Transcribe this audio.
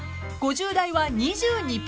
［５０代は２２％も］